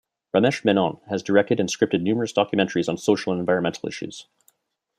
Ramesh Menon has directed and scripted numerous documentaries on social and environmental issues.